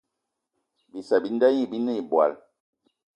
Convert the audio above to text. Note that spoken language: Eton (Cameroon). Bissa bi nda gnî binê ìbwal